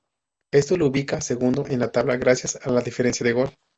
Esto lo ubicaba segundo en la tabla gracias a la diferencia de gol.